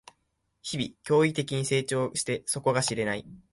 日々、驚異的に成長して底が知れない